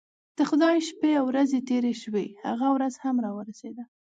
د خدای شپې او ورځې تیرې شوې هغه ورځ هم راورسېده.